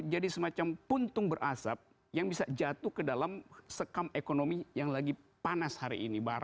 jadi semacam puntung berasap yang bisa jatuh ke dalam sekam ekonomi yang lagi panas hari ini